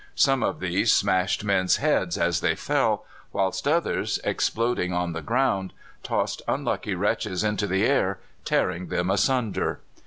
Some of these smashed men's heads as they fell, whilst others, exploding on the ground, tossed unlucky wretches into the air, tearing them asunder.